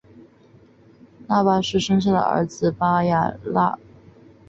纳喇氏生下儿子巴雅喇。